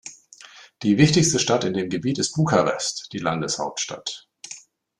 Die wichtigste Stadt in dem Gebiet ist Bukarest, die Landeshauptstadt.